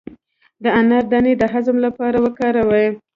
د انار دانه د هضم لپاره وکاروئ